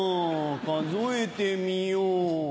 数えてみよう。